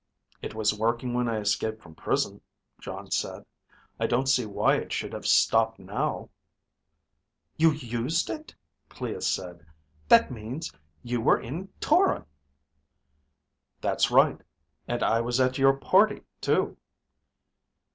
"It was working when I escaped from prison," Jon said. "I don't see why it should have stopped now." "You used it?" Clea said. "That means you were in Toron!" "That's right. And I was at your party too."